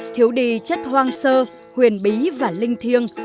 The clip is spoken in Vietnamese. thiếu đi chất hoang sơ huyền bí và linh thiêng